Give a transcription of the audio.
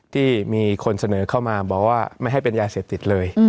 ที่มีคนเสนอเข้ามาบอกว่าไม่ให้เป็นยาเสพติดเลย